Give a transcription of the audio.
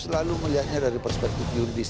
lalu melihatnya dari perspektif juridis